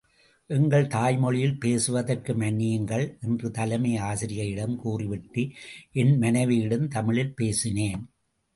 எங்கள் தாய்மொழியில் பேசுவதற்கு மன்னியுங்கள் என்று தலைமை ஆசிரியையிடம் கூறிவிட்டு, என் மனைவி யிடம் தமிழில் பேசினேன்.